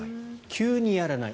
急にやらない。